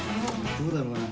どうだろうな。